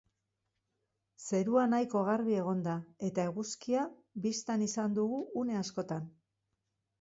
Zerua nahiko garbi egon da eta eguzkia bistan izan dugu une askotan.